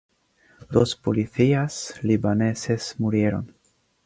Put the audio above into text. Dos policías libaneses murieron.